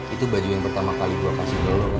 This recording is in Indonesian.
itu baju yang pertama kali gue kasih ke lo kan